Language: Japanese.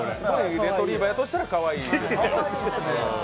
レトリーバーとしたらかわいいですよ。